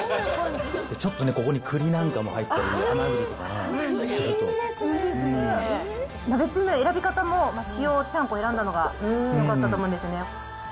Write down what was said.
ちょっとね、ここにくりなんかも入ったり、鍋つゆの選び方も、塩ちゃんこを選んだのがよかったと思うんですよね。